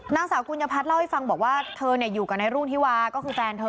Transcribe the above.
นางสาวกุญญพัฒน์เล่าให้ฟังบอกว่าเธออยู่กับนายรุ่งธิวาก็คือแฟนเธอ